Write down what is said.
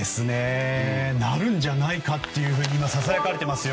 なるんじゃないかとささやかれていますよ。